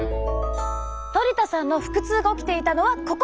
トリ田さんの腹痛が起きていたのはここ！